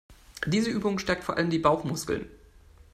Diese Übung stärkt vor allem die Bauchmuskeln.